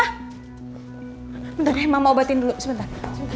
sebentar deh mama obatin dulu sebentar